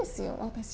私。